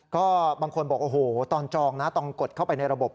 ก็บางคนบอกโอ้โหตอนจองนะตอนกดเข้าไปในระบบ